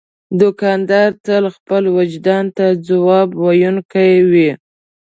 دوکاندار تل خپل وجدان ته ځواب ویونکی وي.